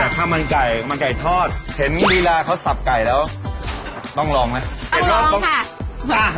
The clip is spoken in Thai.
แต่ถ้ามันไก่มันไก่ทอดเห็นเวลาเขาสับไก่แล้วต้องลองไหมต้องลองค่ะอ่า